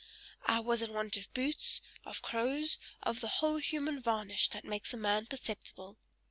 I was in want of boots, of clothes, of the whole human varnish that makes a man perceptible.